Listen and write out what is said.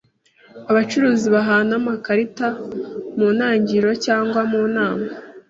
Abacuruzi bahana amakarita mu ntangiriro cyangwa mu nama.